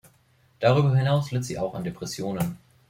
Darüber hinaus litt sie auch an Depressionen.